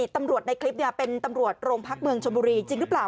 ตำรวจในคลิปเป็นตำรวจโรงพักเมืองชนบุรีจริงหรือเปล่า